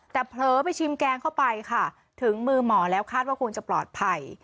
แต่เผลอไปชิมแกงเข้าไปค่ะถึงมือหมอแล้วคาดว่าคงจะปลอดภัย